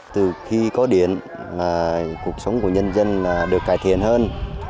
từ khi có điện cuộc sống của nhân dân được cải thiện hơn